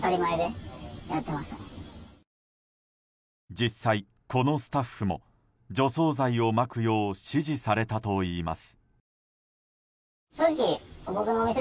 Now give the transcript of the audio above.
実際、このスタッフも除草剤をまくよう指示されたといいます。